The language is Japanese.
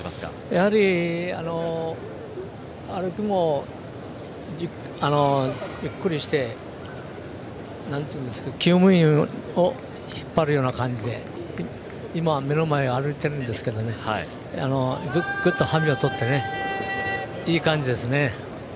やはり歩きもゆっくりしてきゅう務員を引っ張るような感じで今、目の前を歩いているんですけどぐっぐっと馬銜をとっていい感じですね。